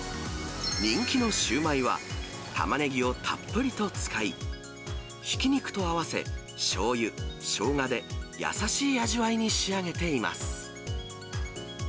人気のシューマイは、タマネギをたっぷりと使い、ひき肉と合わせ、しょうゆ、しょうがで優しい味わいに仕上げています。